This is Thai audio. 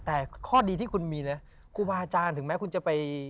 แต่ข้อดีที่คุณมีนะครูบาอาจารย์ถึงแม้คุณจะไป